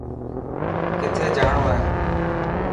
ڪٿي جاڻو هي.